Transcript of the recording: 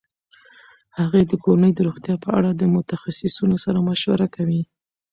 هغې د کورنۍ د روغتیا په اړه د متخصصینو سره مشوره کوي.